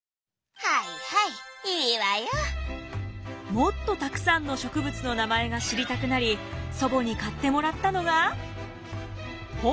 もっとたくさんの植物の名前が知りたくなり祖母に買ってもらったのが。